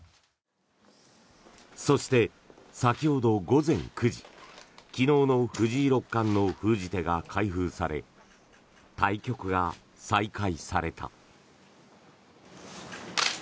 そして、先ほど午前９時昨日の藤井六冠の封じ手が開封され対局が再開された。